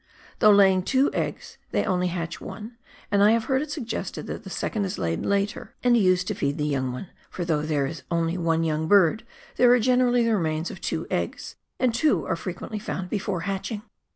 Though laying two eggs, they only hatch one, and I have heard it suggested that the second is laid later and used to feed the young one, for though there is only one young bird, there are generally the remains of two eggs, and two are frequently found before hatching.